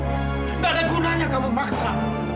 tidak ada gunanya kamu maksa